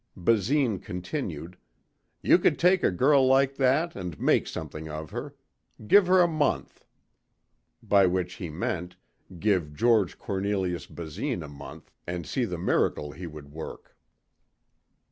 Basine continued, "You could take a girl like that and make something of her. Give her a month." By which he meant give George Cornelius Basine a month and see the miracle he would work.